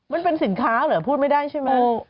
มันเป็นสินค้าเหรอพูดไม่ได้ใช่ไหม